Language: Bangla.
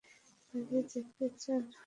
বাজিয়ে দেখতে চান?